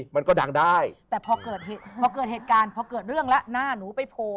มันก็ดังได้แต่พอเกิดเหตุการณ์เพราะเกิดเรื่องละหน้านูไปโพล